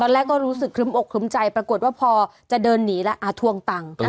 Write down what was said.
และก็รู้สึกออกขึ้มใจปรากฏว่าพอจะเดินหนีล่ะอ่าทวงตัง